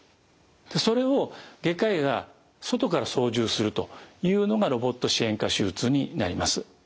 それを外科医が外から操縦するというのがロボット支援下手術になります。